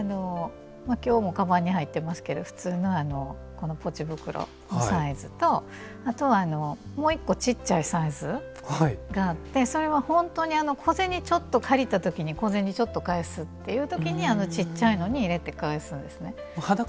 きょうもかばんに入ってますけど普通のポチ袋のサイズとあとは、もう１個ちっちゃいサイズがあってそれは本当に小銭ちょっと借りたときに小銭ちょっと返すっていうときにちっちゃいのに入れて返すんですね。